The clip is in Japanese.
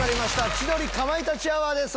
『千鳥かまいたちアワー』です。